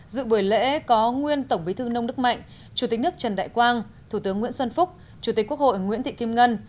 dự buổi lễ có nguyên tổng bí thư nông đức mạnh chủ tịch nước trần đại quang thủ tướng nguyễn xuân phúc chủ tịch quốc hội nguyễn thị kim ngân